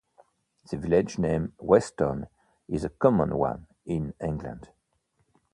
The village name 'Weston' is a common one in England.